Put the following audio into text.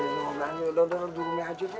jangan jangan jangan juru juru aja deh